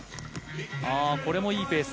これもいいペース。